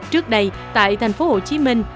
trước đây tại thành phố hồ chí minh